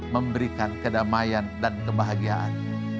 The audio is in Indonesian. memberikan kedamaian dan kebahagiaan